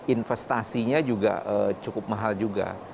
investasinya juga cukup mahal juga